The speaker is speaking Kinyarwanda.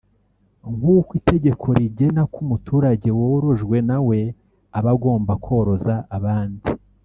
nk’uko itegeko rigena ko umuturage worojwe nawe aba agomba koroza abandi